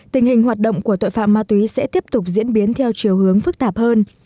tình hình hoạt động của tội phạm ma túy sẽ tiếp tục diễn biến theo chiều hướng phức tạp hơn